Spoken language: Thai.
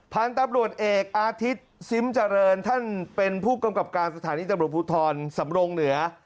พันธุ์ตำรวจเอกอาทิตย์ซิมเจริญท่านเป็นผู้กำกับการสถานีตำรวจภูทรสำรงเหนือ